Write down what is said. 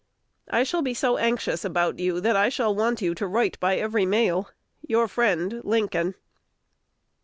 I shall be so anxious about you, that I shall want you to write by every mail. Your friend, Lincoln.